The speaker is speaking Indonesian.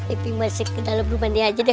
lebih masuk ke dalam rumah dia aja deh